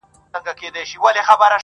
ما د قتل نوم دنيا ته دئ راوړى -